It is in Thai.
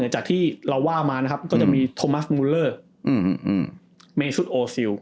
นอกจากที่เราว่ามานะครับก็จะมีโมลร์อืมอืม